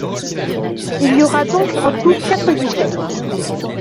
Il y aura donc en tout quatre guichets.